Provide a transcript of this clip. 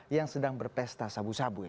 yang sedang berpesta sabu sabu ini